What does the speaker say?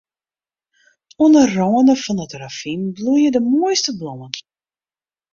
Oan 'e râne fan it ravyn bloeie de moaiste blommen.